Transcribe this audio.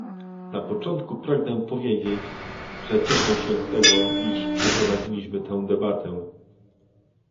Na początku pragnę powiedzieć, że cieszę się z tego, iż przeprowadziliśmy tę debatę